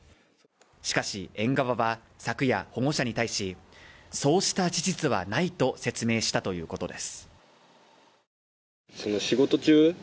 しかし、園側は昨夜、保護者に対し、そうした事実はないと説明したということです。